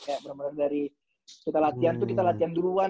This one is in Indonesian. kayak bener bener dari kita latihan tuh kita latihan duluan